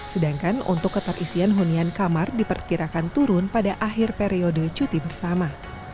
sedangkan untuk keterisian hunian kamar diperkirakan turun pada akhir periode cuti bersama